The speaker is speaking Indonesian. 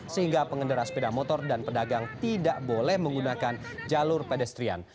sehingga pengendara sepeda motor dan pedagang tidak boleh menggunakan jalur pedestrian